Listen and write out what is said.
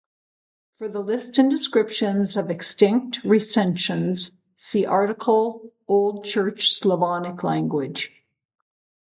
For the list and descriptions of extinct recensions, see article "Old Church Slavonic language".